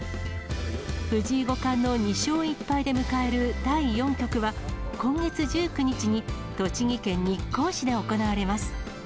藤井五冠の２勝１敗で迎える第４局は、今月１９日に栃木県日光市で行われます。